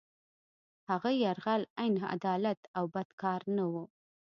هغه یرغل عین عدالت او بد کار نه وو.